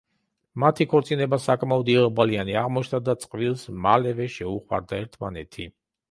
მათი ქორწინება საკმაოდ იღბლიანი აღმოჩნდა და წყვილს მალევე შეუყვარდა ერთმანეთი.